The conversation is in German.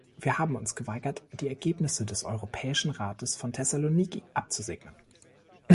Wir haben uns geweigert, die Ergebnisse des Europäischen Rates von Thessaloniki abzusegnen.